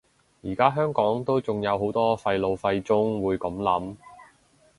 而家香港都仲有好多廢老廢中會噉諗